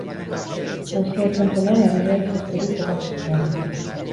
Eguzkia irten zenean, erregea izozturik topatu zuten, zutik.